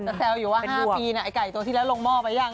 แซวอยู่ว่า๕ปีไก่ตัวที่แล้วลงหม้อไปยัง